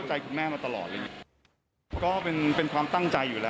ในสัมปัฏยกภพที่สมบูรณ์